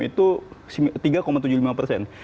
itu tiga tujuh puluh lima persen